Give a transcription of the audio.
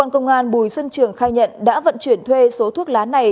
công an bùi xuân trường khai nhận đã vận chuyển thuê số thuốc lá này